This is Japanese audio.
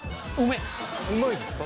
うまいですか。